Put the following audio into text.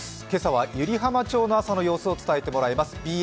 今朝は湯梨浜町の朝の様子を伝えてもらいます。